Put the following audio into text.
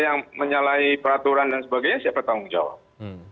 yang menyalahi peraturan dan sebagainya siapa tanggung jawab